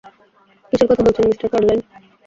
কীসের কথা বলছেন, মিস্টার কার্লাইল?